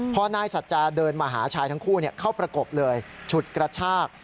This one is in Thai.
พอนายสัจจาเดินมาหาชายทั้งคู่เข้าประกบเลยฉุดกระชาก